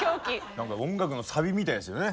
何か音楽のサビみたいですよね